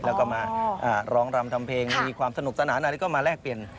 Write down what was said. เราก็มาร้องรำทำเพลงมีความสนุกสนาน